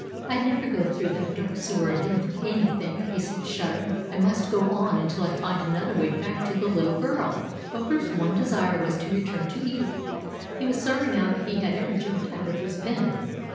"I'd never go through that dark sewer again for anything," he said, shuddering. "I must go on until I find another way back to the little girl." Bumper's one desire was to return to Edith. He was sorry now that he had ever jumped out of his pen.